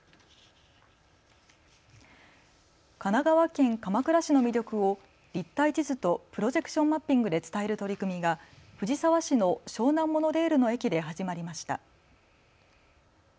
神奈川県鎌倉市の魅力を立体地図とプロジェクションマッピングで伝える取り組みが藤沢市の湘南モノレールの駅で始まりました。